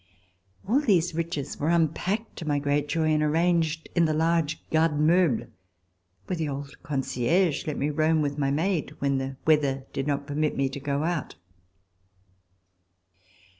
All these riches were unpacked, to my great joy, and arranged in the large garde meubles^ where the old concierge let me roam with my maid when the weather did not permit me to go out.